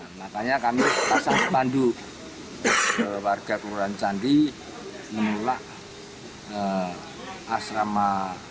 pemasang spanduk warga kelurahan candi menulak asrama